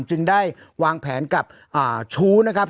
จึงได้วางแผนกับชู้นะครับ